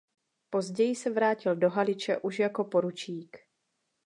Později se vrátil do Haliče už jako poručík.